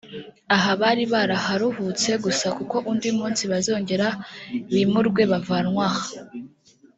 aha bari bararuhutse gusa kuko undi munsi bazongera bimurwe bavanwe aha